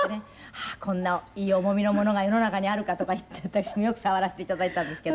ああこんないい重みのものが世の中にあるかとか言って私もよく触らせて頂いたんですけど。